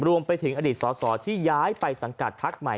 รวมไปถึงอดีตสอสอที่ย้ายไปสังกัดพักใหม่